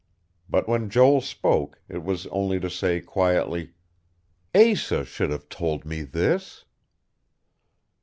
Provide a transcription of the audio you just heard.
But when Joel spoke, it was only to say quietly: "Asa should have told me this."